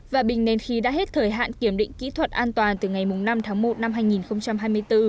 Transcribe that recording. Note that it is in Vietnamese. và bình nén khí đã hết thời hạn kiểm định kỹ thuật an toàn từ ngày năm tháng một năm hai nghìn hai mươi bốn